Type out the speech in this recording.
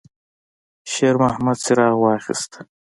شېرمحمد څراغ واخیست.